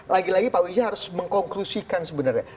lagi lagi pak wijaya harus mengkonklusikan sebenarnya